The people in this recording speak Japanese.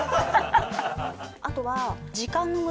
あとは。